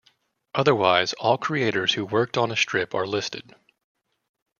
Otherwise, all creators who worked on a strip are listed.